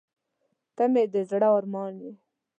• ته مې د زړه ارمان یې.